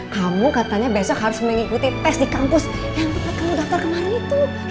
kamu katanya besok harus mengikuti tes di kampus yang kamu daftar kemarin itu